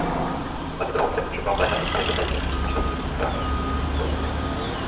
অচেতন অবস্থায় পুলিশের প্রহরায় তাকে ঢাকা মেডিকেল কলেজ হাসপাতালে ভর্তি করা হয়েছে।